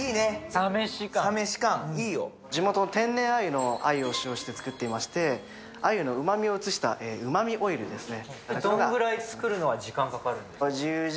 地元・天然鮎のオイルを使っていまして鮎のうまみを移したうまみオイルですね。